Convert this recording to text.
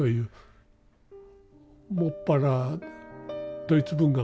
専らドイツ文学。